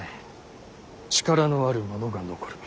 力のある者が残る。